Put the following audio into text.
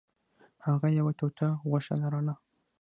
هغه یوه ټوټه غوښه لرله.